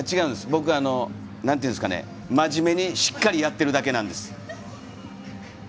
僕はまじめにしっかりやっているだけです。